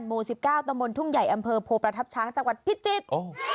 หมู่๑๙ตำบลทุ่งใหญ่อำเภอโพประทับช้างจังหวัดพิจิตร